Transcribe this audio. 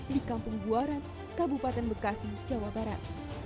di kampung buaran kabupaten bekasi jawa barat